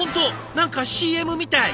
何かＣＭみたい。